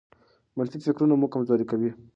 منفي فکرونه مو کمزوري کوي.